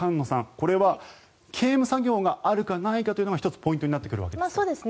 これは刑務作業があるかないかが１つ、ポイントになってくるわけですね。